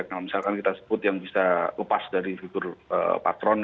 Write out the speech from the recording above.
kalau misalkan kita sebut yang bisa lepas dari figur patron